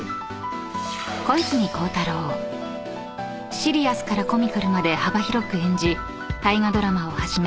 ［シリアスからコミカルまで幅広く演じ大河ドラマをはじめ